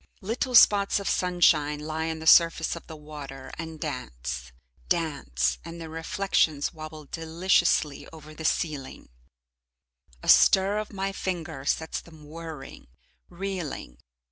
Little spots of sunshine lie on the surface of the water and dance, dance, and their reflections wobble deliciously over the ceiling; a stir of my finger sets them whirring, reeling.